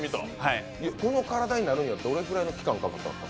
この体になるまではどれぐらいかかったんですか。